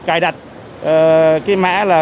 cài đặt cái mã là